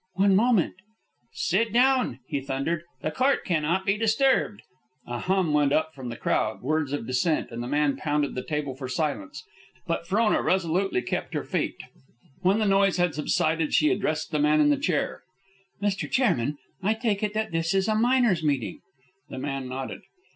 "One moment " "Sit down!" he thundered. "The court cannot be disturbed." A hum went up from the crowd, words of dissent, and the man pounded the table for silence. But Frona resolutely kept her feet. When the noise had subsided, she addressed the man in the chair. "Mr. Chairman: I take it that this is a miners' meeting." (The man nodded.)